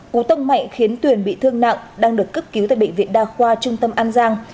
cú tông mạnh khiến tuyền bị thương nặng đang được cấp cứu tại bệnh viện đa khoa trung tâm an giang